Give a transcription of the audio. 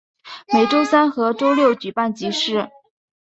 每周三和周六举办集市。